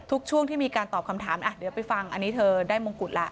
ช่วงที่มีการตอบคำถามเดี๋ยวไปฟังอันนี้เธอได้มงกุฎละ